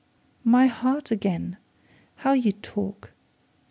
'My heart again! How you talk.